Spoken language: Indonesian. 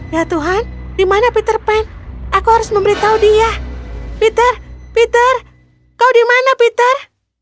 ya tuhan di mana peter pan aku harus memberitahu dia peter peter kau dimana peter